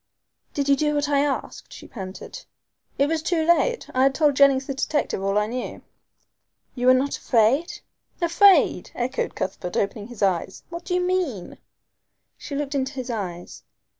"Did you do what I asked?" she panted. "It was too late. I had told Jennings the detective all I knew." "You were not afraid?" "Afraid!" echoed Cuthbert, opening his eyes. "What do you mean?" She looked into his eyes.